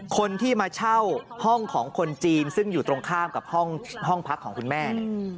คนที่มาเช่าห้องของคนจีนซึ่งอยู่ตรงข้ามกับห้องพักของคุณแม่เนี่ย